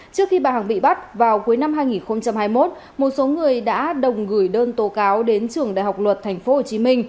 trước khi bà hằng bị bắt vào cuối năm hai nghìn hai mươi một một số người đã đồng gửi đơn tố cáo đến trường đại học luật tp hcm